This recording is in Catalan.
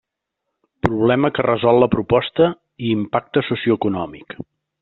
Problema que resol la proposta i impacte socioeconòmic.